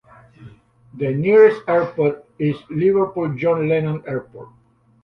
The nearest airport is Liverpool John Lennon Airport.